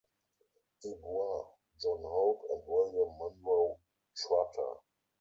Du Bois, John Hope, and William Monroe Trotter.